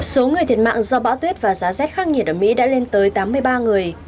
số người thiệt mạng do bão tuyết và giá rét khắc nghiệt ở mỹ đã lên tới tám mươi ba người